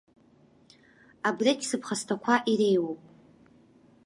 Абрыгь сыԥхасҭақәа иреиуоуп.